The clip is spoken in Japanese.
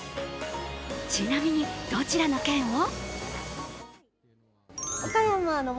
ちなみに、どちらの県を？